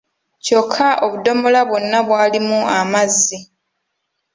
Kyokka obudomola bwonna bwalimu amazzi.